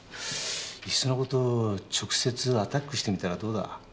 いっその事直接アタックしてみたらどうだ？